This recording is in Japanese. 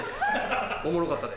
おもろかったで。